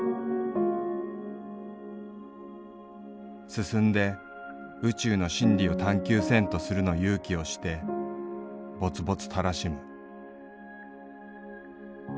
「進んで宇宙の真理を探究せんとするの勇気をして勃々たらしむ」。